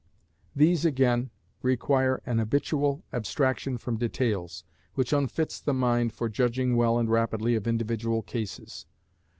These, again, require an habitual abstraction from details, which unfits the mind for judging well and rapidly of individual cases.